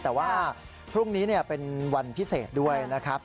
แต่ว่าพรุ่งนี้เป็นวันพิเศษด้วยนะครับ